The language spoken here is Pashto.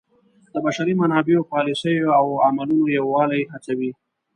د بشري منابعو پالیسیو او عملونو یووالی هڅوي.